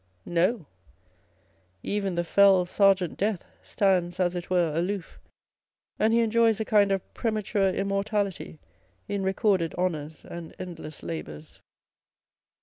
No, even the fell Serjeant Death stands as it were aloof, and he enjoys a kind of premature immortality in recorded honours and endless labours.